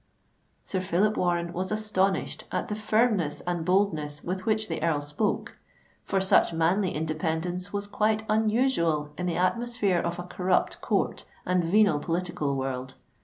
'" Sir Phillip Warren was astonished at the firmness and boldness with which the Earl spoke; for such manly independence was quite unusual in the atmosphere of a corrupt Court and venal political world.